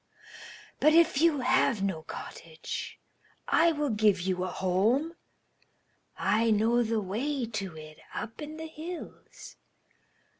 But if you have no cottage, I will give you a home. I know the way to it up in the hills.